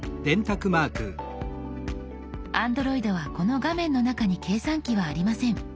Ａｎｄｒｏｉｄはこの画面の中に計算機はありません。